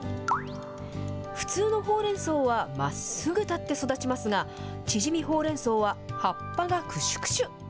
普通のほうれんそうは、まっすぐ立って育ちますが、ちぢみほうれんそうは、葉っぱがくしゅくしゅ。